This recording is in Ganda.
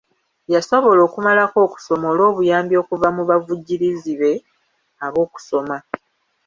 Yasobola okumalako okusoma olw'obuyambi okuva mu bavujjirizi be ab'okusoma.